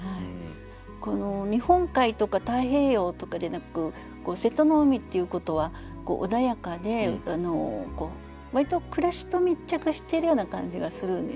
日本海とか太平洋とかでなく「瀬戸の海」っていうことは穏やかで割と暮らしと密着してるような感じがするんですね。